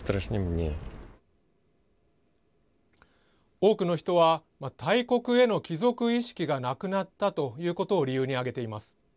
多くの人は、大国への帰属意識がなくなったということを理由に挙げています。